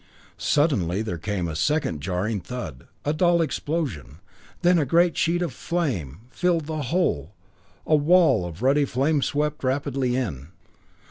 Suddenly there came a second jarring thud, a dull explosion; then a great sheet of flame filled the hole a wall of ruddy flame swept rapidly in.